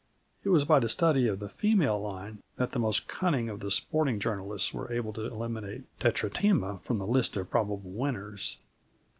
It was by the study of the female line that the most cunning of the sporting journalists were able to eliminate Tetratema from the list of probable winners.